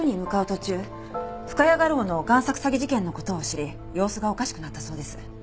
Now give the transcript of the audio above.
途中深谷画廊の贋作詐欺事件の事を知り様子がおかしくなったそうです。